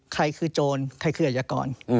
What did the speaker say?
ใครคือโจรใครคืออาจยากร